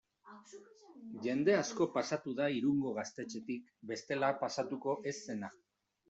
Jende asko pasatu da Irungo gaztetxetik bestela pasatuko ez zena.